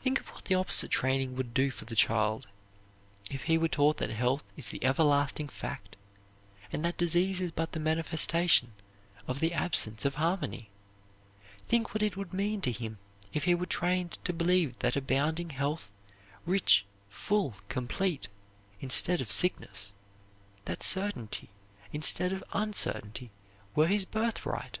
Think of what the opposite training would do for the child; if he were taught that health is the ever lasting fact and that disease is but the manifestation of the absence of harmony! Think what it would mean to him if he were trained to believe that abounding health, rich, full, complete, instead of sickness, that certainty instead of uncertainty were his birthright!